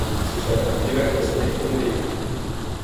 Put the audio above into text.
Ce qui a permis l'évacuation des premiers véhicules.